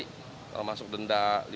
kalau masuk denda lima juta ya